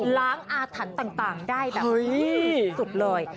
ล้างอาถรรค์ต่างได้แบบกลุ่มสุดเลย